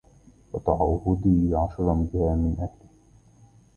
فتعوضي عشراً بها من أَهلهِ